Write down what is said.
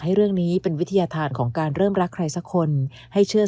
ให้เรื่องนี้เป็นวิทยาธารของการเริ่มรักใครสักคนให้เชื่อ